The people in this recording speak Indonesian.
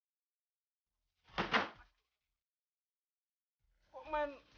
masih mau main inputs